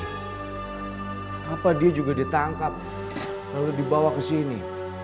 kenapa dia juga ditangkap lalu dibawa kesini